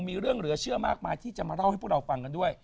มีเรื่องเหลือเชื่อมากมายที่จะมาเล่าให้พวกเราฟังกันด้วย